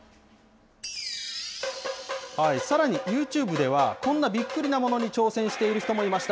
さらにユーチューブでは、こんなびっくりなものに挑戦している人もいました。